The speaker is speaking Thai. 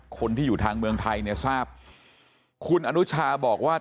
คนที่อยู่ทางเมืองไทยเนี่ยทราบคุณอนุชาบอกว่า